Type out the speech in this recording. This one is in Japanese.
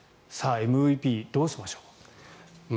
ＭＶＰ、どうしましょうか。